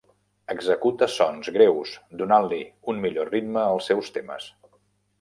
Executa sons greus, donant-li un millor ritme als seus temes.